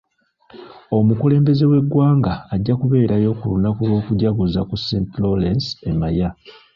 Omukulembeze w'eggwanga ajja kubeerayo ku lunaku lw'okujaguza ku St. Lawrence e Maya.